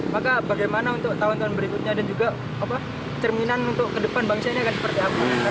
maka bagaimana untuk tahun tahun berikutnya dan juga cerminan untuk ke depan bangsa ini akan seperti apa